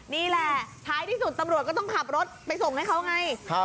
นี่แหละท้ายที่สุดตำรวจก็ต้องขับรถไปส่งให้เขาไง